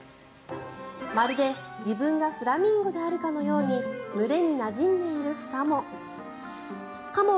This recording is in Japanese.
まるで自分がフラミンゴであるかのように群れになじんでいるカモ。